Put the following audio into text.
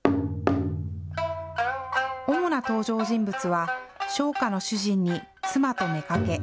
主な登場人物は、商家の主人に妻と妾。